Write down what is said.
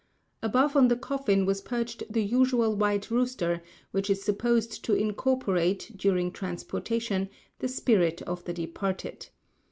Above on the coffin was perched the usual white rooster, which is supposed to incorporate, during transportation, the spirit of the departed.